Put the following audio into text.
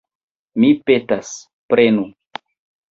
Mi petas, prenu!